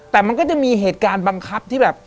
แต่มันก็จะมีเหตุการณ์บังคับที่แบบ